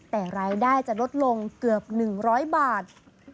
แต่รายได้จะลดลงเกือบ๑๐๐บาท